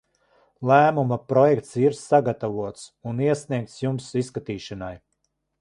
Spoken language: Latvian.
Lēmuma projekts ir sagatavots un iesniegts jums izskatīšanai.